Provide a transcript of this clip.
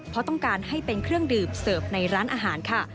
เพราะต้องการให้เป็นเครื่องดื่มเสิร์ฟในร้านอาหารค่ะ